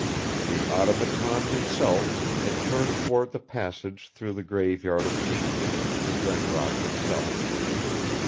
The Automaton himself had turned toward the passage through the Graveyard of Genius to Brent Rock itself.